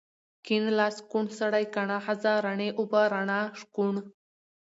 کيڼ لاس، کوڼ سړی، کڼه ښځه، رڼې اوبه، رڼا، شکوڼ